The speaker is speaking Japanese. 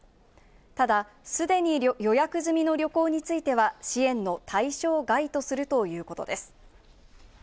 ただ、すでに予約済みの旅行については支援の対象外とするということです。